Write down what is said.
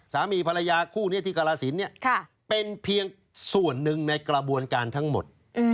สามีภรรยาคู่นี้ที่กรสินเป็นเพียงส่วนหนึ่งในกระบวนการทั้งหมด